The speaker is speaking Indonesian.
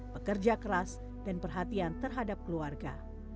pekerja keras dan perhatian terhadap keluarga